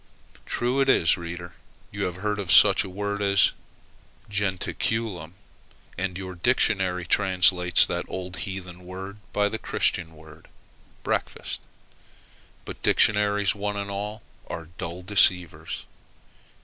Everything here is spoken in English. True it is, reader, that you have heard of such a word as jentaculum; and your dictionary translates that old heathen word by the Christian word breakfast. But dictionaries, one and all, are dull deceivers.